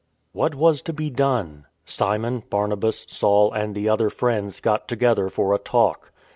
What was to be done? Simon, Barnabas, Saul and the other friends got together for a talk.